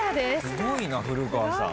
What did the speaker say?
すごいな古川さん。